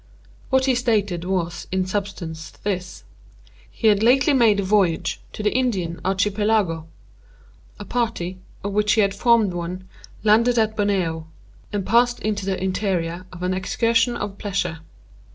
What he stated was, in substance, this. He had lately made a voyage to the Indian Archipelago. A party, of which he formed one, landed at Borneo, and passed into the interior on an excursion of pleasure.